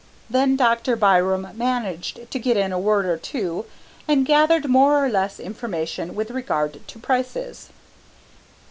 Then Dr. Byram managed to get in a word or two and gathered more or less information with regard to prices.